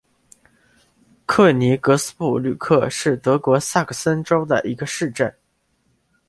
克尼格斯布吕克是德国萨克森州的一个市镇。